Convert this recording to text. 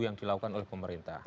yang dilakukan oleh pemerintah